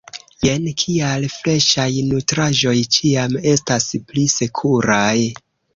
Jen kial freŝaj nutraĵoj ĉiam estas pli sekuraj.